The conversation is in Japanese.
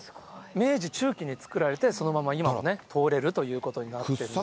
明治中期に作られて、そのまま今もね、通れるということになってるんですね。